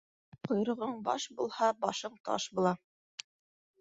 Ҡойроғоң баш булһа, башың таш була.